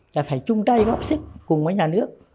là phải chung tay góp sức cùng với nhà nước